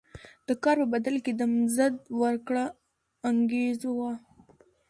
د کار په بدل کې د مزد ورکړه انګېزه وه.